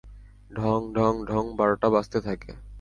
ঢং-ঢং-ঢং, বারোটা বাজতে থাকে।